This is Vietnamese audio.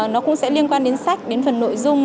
nó cũng sẽ liên quan đến sách đến phần nội dung